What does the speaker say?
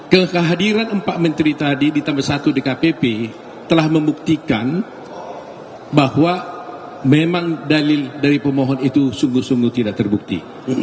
kehadiran empat menteri tadi ditambah satu dkpp telah membuktikan bahwa memang dalil dari pemohon itu sungguh sungguh tidak terbukti